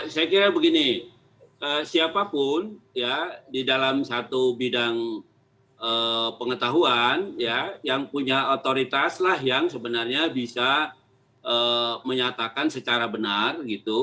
saya kira begini siapapun ya di dalam satu bidang pengetahuan ya yang punya otoritas lah yang sebenarnya bisa menyatakan secara benar gitu